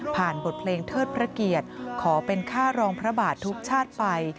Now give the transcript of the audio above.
บทเพลงเทิดพระเกียรติขอเป็นค่ารองพระบาททุกชาติไป